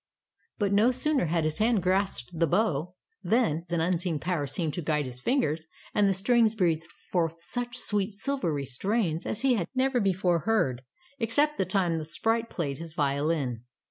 but no sooner had his hand grasped the bow, than an unseen power seemed to guide his fingers, and the strings breathed forth such sweet slivery strains as he had never before heard, except the time the sprite played his violin.